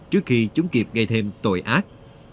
trước khi chúng kịp gây thêm tội ác